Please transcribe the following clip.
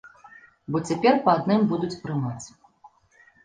Бо цяпер па адным будуць прымаць.